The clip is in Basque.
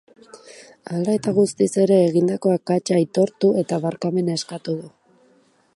Hala eta guztiz ere, egindako akatsa aitortu eta barkamena eskatu du.